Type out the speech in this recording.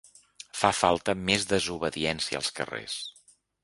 Fa falta més desobediència als carrers.